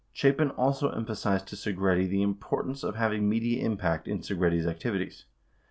11 Chapin also emphasized to Segretti the importance of having media impact in Segretti's activities.